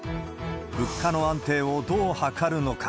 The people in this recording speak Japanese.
物価の安定をどう図るのか。